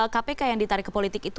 kpk yang ditarik ke politik itu